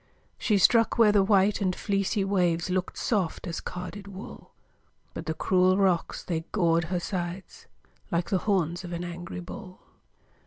She struck where the white and fleecy waves Look'd soft as carded wool, But the cruel rocks, they gored her sides Like the horns of an angry bull.